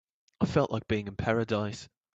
I felt like being in paradise.